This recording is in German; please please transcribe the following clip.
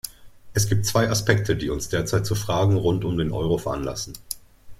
Es gibt zwei Aspekte, die uns derzeit zu Fragen rund um den Euro veranlassen.